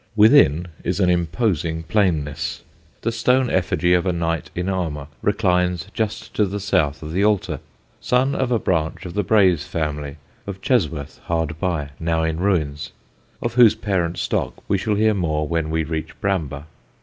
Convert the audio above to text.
Within is an imposing plainness. The stone effigy of a knight in armour reclines just to the south of the altar: son of a branch of the Braose family of Chesworth, hard by, now in ruins of whose parent stock we shall hear more when we reach Bramber.